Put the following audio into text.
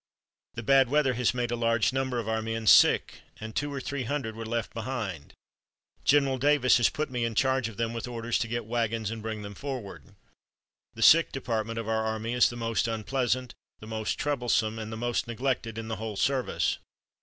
"The bad weather has made a large number of our men sick, and two or three hundred were left behind. General Davis put me in charge of them with orders to get wagons and bring them forward. The sick department of our army is the most unpleasant, the most troublesome, and the most neglected in the whole service.